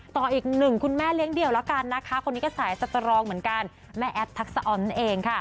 ต่ออีกหนึ่งคุณแม่เลี้ยงเดี่ยวแล้วกันนะคะคนนี้ก็สายสตรองเหมือนกันแม่แอฟทักษะออนนั่นเองค่ะ